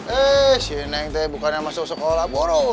eh si nenek bukannya masuk sekolah buru